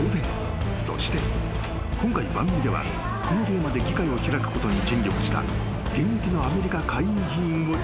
［そして今回番組ではこのテーマで議会を開くことに尽力したアメリカ］